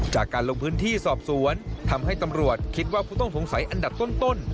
จากการลงพื้นที่สอบสวนทำให้ตำรวจคิดว่าผู้ต้องสงสัยอันดับต้น